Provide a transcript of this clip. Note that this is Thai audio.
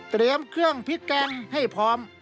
เตรียมเครื่องพริกแกงให้พร้อม